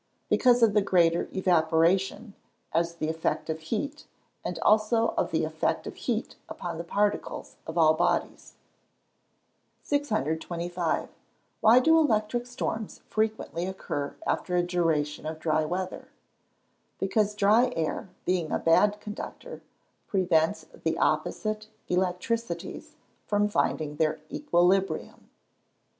_ Because of the greater evaporation, as the effect of heat; and also of the effect of heat upon the particles of all bodies. 625. Why do electric storms frequently occur after a duration of dry weather? Because dry air, being a bad conductor, prevents the opposite electricities from finding their equilibrium.